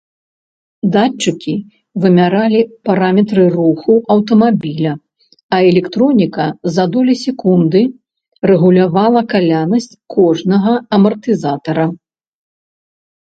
Датчыкі вымяралі параметры руху аўтамабіля, а электроніка за долі секунды рэгулявала калянасць кожнага амартызатара.